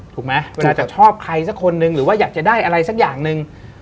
ถูกไหมเวลาจะชอบใครสักคนนึงหรือว่าอยากจะได้อะไรสักอย่างหนึ่ง